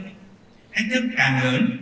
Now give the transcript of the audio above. thách thức càng lớn càng lớn